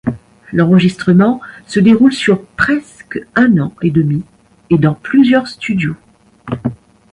L'enregistrement se déroule sur presque un an et demi et dans plusieurs studios.